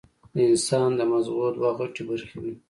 د انسان د مزغو دوه غټې برخې وي